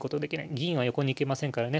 銀は横に行けませんからね